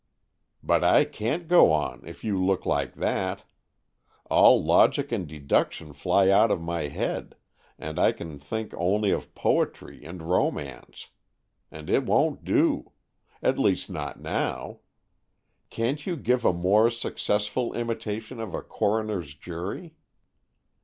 "But I can't go on, if you look like that! All logic and deduction fly out of my head, and I can think only of poetry and romance. And it won't do! At least, not now. Can't you try to give a more successful imitation of a coroner's jury?"